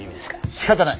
しかたない。